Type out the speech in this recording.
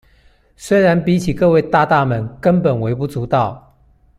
雖然比起各位大大們根本微不足道